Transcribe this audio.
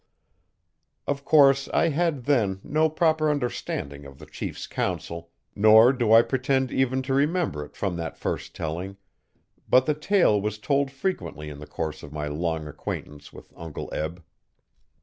Of course I had then no proper understanding of the chiefs counsel, nor do I pretend even to remember it from that first telling, but the tale was told frequently in the course of my long acquaintance with Uncle Eb.